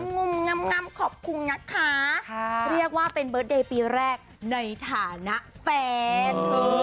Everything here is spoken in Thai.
งุ่มงำขอบคุณนะคะเรียกว่าเป็นเบิร์ตเดย์ปีแรกในฐานะแฟน